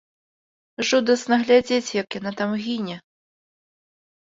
Жудасна глядзець, як яна там гіне.